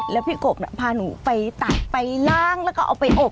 แล้วพี่กบพาหนูไปตักไปล้างแล้วก็เอาไปอบ